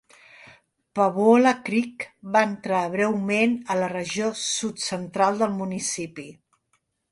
Paavola Creek va entrar breument a la regió sud-central del municipi.